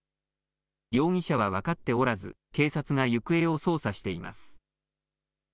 容疑者は分かっておらず警察が行方を捜査しています。